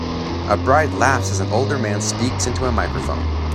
A bride laughs as an older man speaks into a microphone.